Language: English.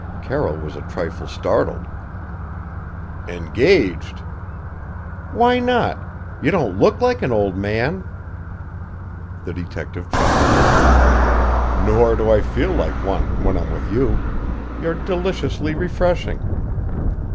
Carroll was a trifle startled. "Engaged?" "Why not? You don't look like an old man." The detective chuckled. "Nor do I feel like one when I'm with you. You're deliciously refreshing."